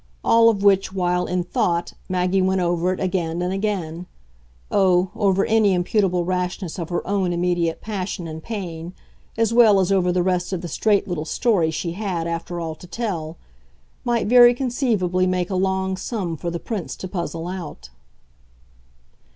All of which, while, in thought, Maggie went over it again and again oh, over any imputable rashness of her own immediate passion and pain, as well as over the rest of the straight little story she had, after all, to tell might very conceivably make a long sum for the Prince to puzzle out.